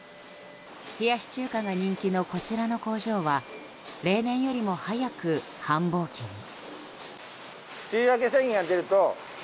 冷やし中華が人気のこちらの工場は例年よりも早く最盛期に。